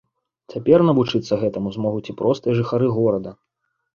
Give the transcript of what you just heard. Цяпер навучыцца гэтаму змогуць і простыя жыхары горада.